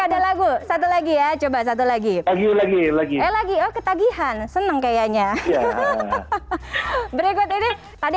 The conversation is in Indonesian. ada lagu satu lagi ya coba satu lagi lagi oh ketagihan seneng kayaknya berikut ini tadi